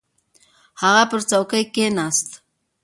هغه پر څوکۍ کښېناست.